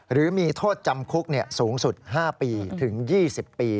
หรือมีโทษจำคุกสูงสุด๕ปีถึง๒๐ปี